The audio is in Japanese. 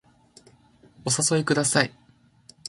お誘いください